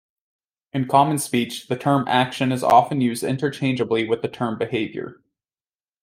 In common speech, the term action is often used interchangeably with the term behavior.